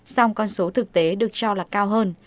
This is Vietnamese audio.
song con số thực tế được cho là cao hơn